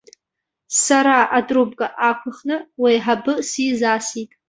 Сара атрубка аақәхны, уеиҳабы сизасит.